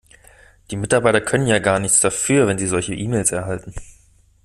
Die Mitarbeiter können ja gar nichts dafür, wenn sie solche E-Mails erhalten.